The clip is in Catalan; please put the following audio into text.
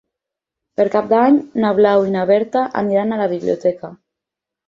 Per Cap d'Any na Blau i na Berta iran a la biblioteca.